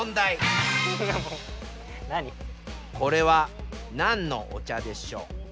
これは何のお茶でしょう？